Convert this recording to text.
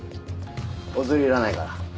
おつりいらないから。